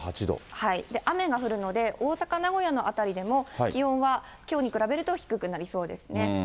雨が降るので、大阪、名古屋の辺りでも、気温はきょうと比べると低くなりそうですね。